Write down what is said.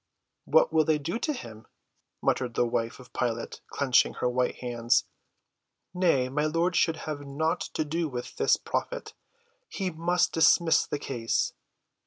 "What will they do with him?" muttered the wife of Pilate, clenching her white hands. "Nay, my lord should have nought to do with this prophet. He must dismiss the case."